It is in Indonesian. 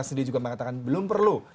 sendiri juga mengatakan belum perlu